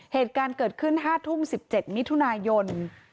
เหตุการณ์เกิดขึ้น๕ทุ่ม๑๗มิถุนายน